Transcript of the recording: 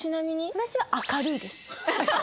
私は「明るい」です。